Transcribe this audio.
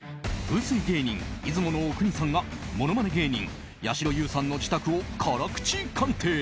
風水芸人・出雲阿国さんがものまね芸人やしろ優さんの自宅を辛口鑑定。